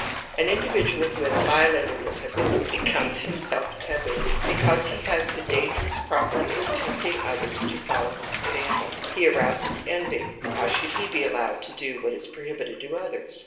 (^ An individual who has violated a taboo be comes himself taboo because he has the danger ous property of tempting others to follow his example. ^ He arouses envy ; why should he be allowed to do what is prohibited to others